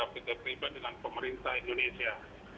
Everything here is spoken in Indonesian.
pihak pribadi dan pemerintah indonesia